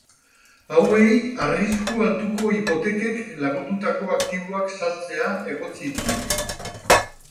Hauei arrisku altuko hipotekek lagundutako aktiboak saltzea egotzi diete.